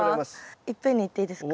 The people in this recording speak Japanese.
いっぺんにいっていいですか？